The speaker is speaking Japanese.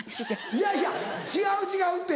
いやいや違う違うって。